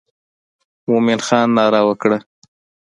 مومن خان ناره وکړه.